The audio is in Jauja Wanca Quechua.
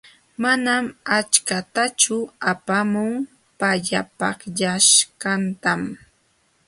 Manam achkatachu apaamun pallapaqllaśhqantam.